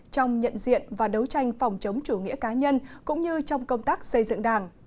trong nhận diện và đấu tranh phòng chống chủ nghĩa cá nhân cũng như trong công tác xây dựng đảng